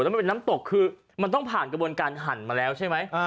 แล้วมันเป็นน้ำตกคือมันต้องผ่านกระบวนการหั่นมาแล้วใช่ไหม